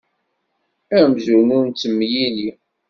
Amzun ur nettemyili.